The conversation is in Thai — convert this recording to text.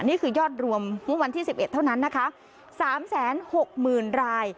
นี่คือยอดรวมเมื่อวันที่สิบเอ็ดเท่านั้นนะคะสามแสนหกหมื่นราย